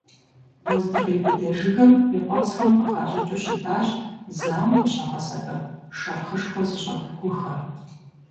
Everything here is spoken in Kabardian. Уэздыгъей быдэ жыгым и къуэпсхэм къыхащӀыкӀыу щытащ зауэм къыщагъэсэбэп, шэрхъышхуэ зыщӀэт гухэр.